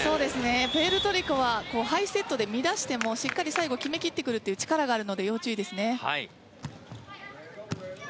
プエルトリコはハイセットで乱してもしっかり最後決めきってくる力があるので要注意ですね。